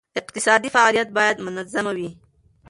اقتصادي فعالیت باید منظمه وي.